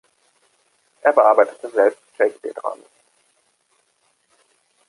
Er bearbeitete selbst Shakespeare-Dramen.